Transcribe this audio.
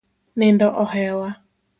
Nindo ohewa.